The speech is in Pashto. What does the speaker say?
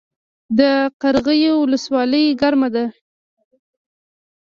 د قرغیو ولسوالۍ ګرمه ده